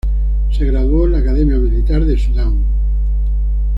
Se graduó en la Academia Militar de Sudán.